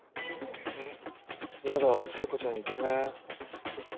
えっやだ聖子ちゃんイケメン。